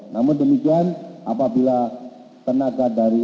namun demikian apabila tenaga dari